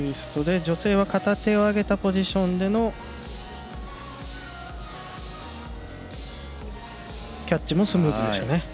女性は片手を上げたポジションでのキャッチもスムーズでしたね。